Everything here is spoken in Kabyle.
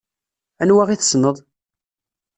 Anwa i tessneḍ?